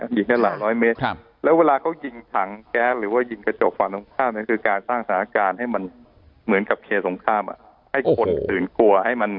แปลว่ายิงก็หลายร้อยเมตรครับแล้วเวลาก็กินขังแก๊กหรือว่ายิงกระจกฝั่งตรงข้ามหรือคือการสร้างสถานการณ์ให้มันเหมือนกับเคสมศพสงค์กามาให้ควรคืนกลัว